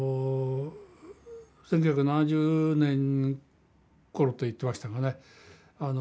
１９７０年ころと言ってましたがね